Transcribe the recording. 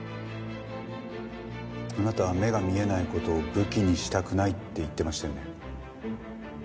あなたは目が見えない事を武器にしたくないって言ってましたよね。